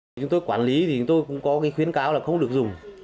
bản lý thì tôi cũng có khuyến cáo là không được dùng